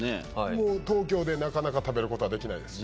もう東京でなかなか食べることはできないです。